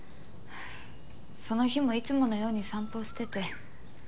その日もいつものように散歩をしてて。